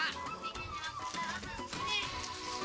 tingginya nyampe darahnya sih